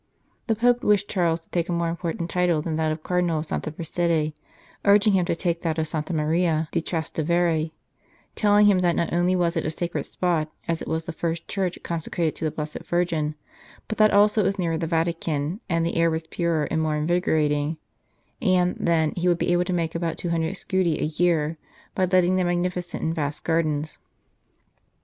The Pope wished Charles to take a more im portant title than that of Cardinal of Santa Prassede, urging him to take that of Santa Maria 202 The Cardinal of Santa Prassede di Trastevere, telling him that not only was it a sacred spot, as it was the first church consecrated to the Blessed Virgin, but that also it was nearer the Vatican, and the air was purer and more invigorating ; and, then, he would be able to make about 200 scudi a year by letting the magnificent and vast gardens.